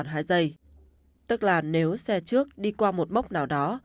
an toàn hai giây tức là nếu xe trước đi qua một mốc nào đó